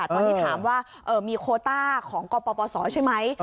ตอนนี้ถามว่ามีโคต้าของกปศใช่ไหม